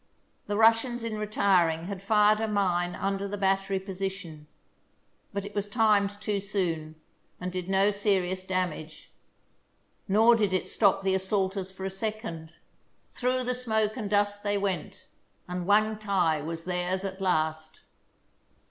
The Russians in retiring had fired a mine under the battery position, but it was timed too soon and did no serious damage. Nor did it stop the assaulters for a second. Through the smoke and dust they went, and Wangtai was theirs at last.